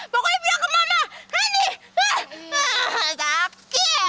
pokoknya pindah ke mama